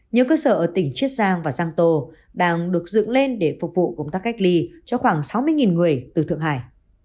nhiều cơ sở ở tỉnh chiết giang và giang tô đang được dựng lên để phục vụ công tác cách ly cho khoảng sáu mươi người từ thượng hải